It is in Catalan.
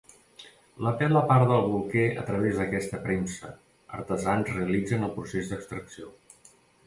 La pela a part del bolquer a través d'aquesta premsa, artesans realitzen el procés d'extracció.